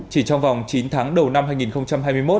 chỉ trong vòng chín tháng đầu năm hai nghìn hai mươi một